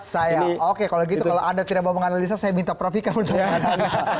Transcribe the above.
saya oke kalau gitu kalau anda tidak mau menganalisa saya minta prof ika untuk menganalisa